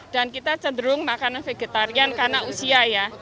dan kita cenderung makanan vegetarian karena usia ya